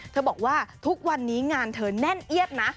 บอกว่าทุกวันนี้งานเธอแน่นเอียดนะ